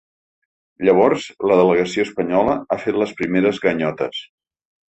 Llavors la delegació espanyola ha fet les primeres ganyotes.